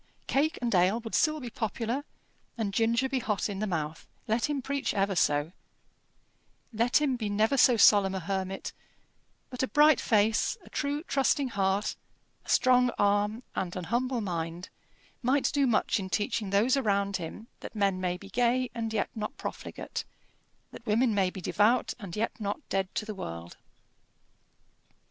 Cake and ale would still be popular, and ginger be hot in the mouth, let him preach ever so let him be never so solemn a hermit; but a bright face, a true trusting heart, a strong arm, and an humble mind, might do much in teaching those around him that men may be gay and yet not profligate, that women may be devout and yet not dead to the world.